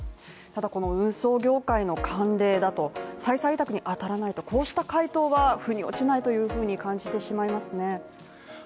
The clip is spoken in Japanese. ただこの運送業界の慣例だと再々委託に当たらないとこうした回答は腑に落ちないというふうに感じてしまいますね。